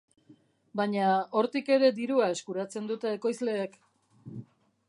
Baina hortik ere dirua eskuratzen dute ekoizleek.